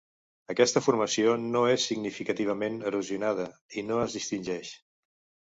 Aquesta formació no és significativament erosionada, i no es distingeix.